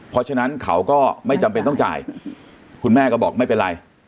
เพราะฉะนั้นเขาก็ไม่จำเป็นต้องจ่ายคุณแม่ก็บอกไม่เป็นไร